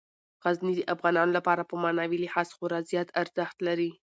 غزني د افغانانو لپاره په معنوي لحاظ خورا زیات ارزښت لري.